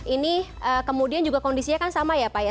ini kemudian juga kondisinya kan sama ya pak ya